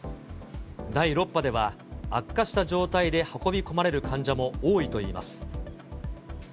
第６波では、悪化した状態で運び込まれる患者も多いといいます。